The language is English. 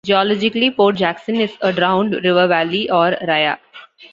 Geologically, Port Jackson is a drowned river valley, or ria.